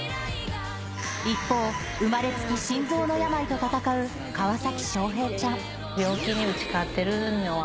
一方、生まれつき心臓の病と闘う川崎翔平ちゃん。